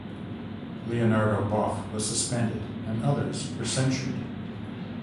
Leonardo Boff was suspended and others were censured.